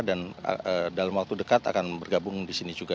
dan dalam waktu dekat akan bergabung di sini juga